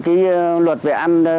cái luật về